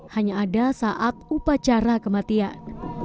hanya ada saat upacara kematian